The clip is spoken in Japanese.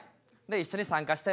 一緒に参加してね。